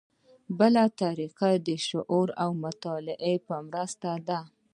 بله طریقه د شعور او مطالعې په مرسته ده.